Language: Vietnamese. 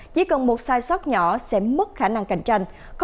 chỉ cần một sai sót nhỏ sẽ mất khả năng cạnh tranh